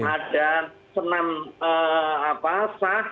ada senam sah